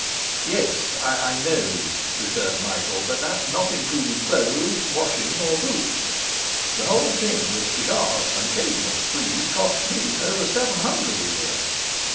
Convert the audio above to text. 'Yes, I know,' returned Michael, 'but that's not including clothes, washing, or boots. The whole thing, with cigars and occasional sprees, costs me over seven hundred a year.